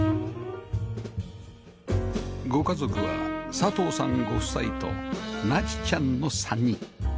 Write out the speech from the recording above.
ご家族は佐藤さんご夫妻と梛千ちゃんの３人